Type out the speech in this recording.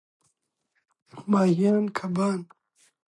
ماهیان √ کبان